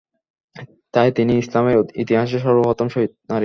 তাই তিনি ইসলামের ইতিহাসে সর্ব প্রথম শহীদ নারী।